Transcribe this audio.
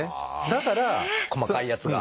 だから細かいやつが。